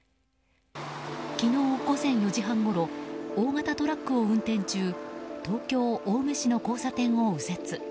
昨日午前４時半ごろ大型トラックを運転中東京・青梅市の交差点を右折。